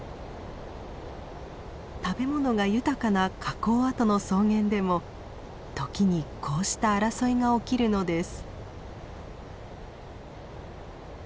食べ物が豊かな火口跡の草原でも時にこうした争いが起きるのです。